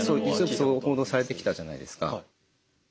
そういう報道されてきたじゃないですか。